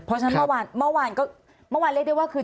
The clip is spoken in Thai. เพราะฉะนั้นเมื่อวานเรียกได้ว่าคือ